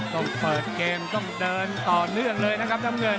ต้องเปิดเกมต้องเดินต่อเนื่องเลยนะครับน้ำเงิน